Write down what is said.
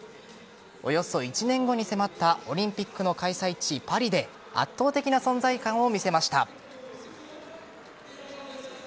およそ１年後に迫ったオリンピックの開催地・パリで圧倒的な存在感を見せました。